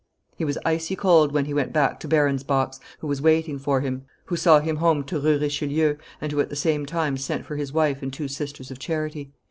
He was icy cold when he went back to Baron's box, who was waiting for him, who saw him home to Rue Richelieu, and who at the same time sent for his wife and two sisters of charity.